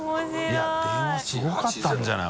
い電話すごかったんじゃない？